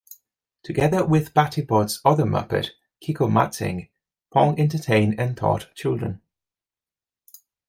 Together with "Batibot"'s other muppet, Kiko Matsing, Pong entertained and taught children.